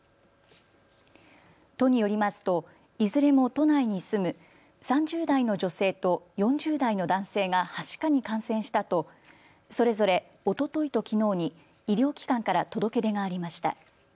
都によりますと、いずれも都内に住む３０代の女性と４０代の男性がはしかに感染したとそれぞれおとといときのうに医療機関から届け出がありました。